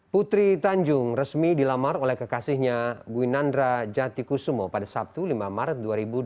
putri tanjung resmi dilamar oleh kekasihnya gwinandra jatikusumo pada sabtu lima maret dua ribu dua puluh